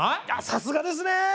さすがですね！